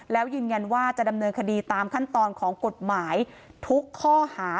แล้วยืนยันว่าจะดำเนินคดีตามขั้นตอนของกฎหมายทุกข้อหา